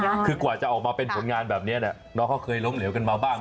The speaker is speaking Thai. คือกว่าจะออกมาเป็นผลงานแบบเนี้ยน้องเขาเคยล้มเหลวกันมาบ้าง